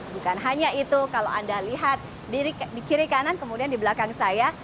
bukan hanya itu kalau anda lihat di kiri kanan kemudian di belakang saya